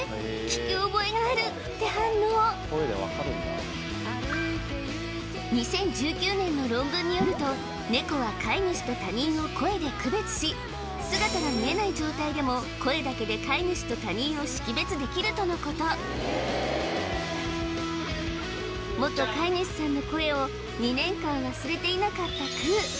聞き覚えがあるって反応２０１９年の論文によるとネコは飼い主と他人を声で区別し姿が見えない状態でも声だけで飼い主と他人を識別できるとのこと元飼い主さんの声を２年間忘れていなかったくう